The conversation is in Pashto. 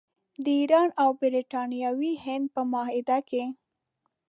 د ایران او برټانوي هند په معاهده کې.